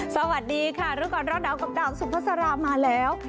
สวัสดีค่ะรุ่นก่อนรับเดิมกับดาวสมภาษาลามาแล้ว